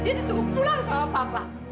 dia disuruh pulang sama papa